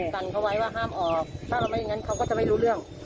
กันเขาไว้ว่าห้ามออกถ้าเราไม่อย่างนั้นเขาก็จะไม่รู้เรื่อง